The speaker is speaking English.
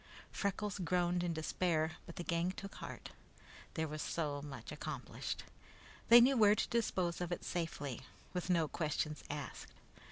Freckles groaned in despair, but the gang took heart. That was so much accomplished. They knew where to dispose of it safely, with no questions asked.